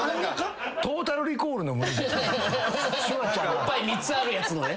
おっぱい３つあるやつのね。